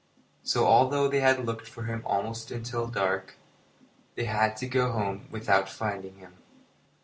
So, although they looked for him until almost dark, they had to go home without finding him.